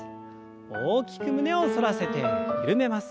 大きく胸を反らせて緩めます。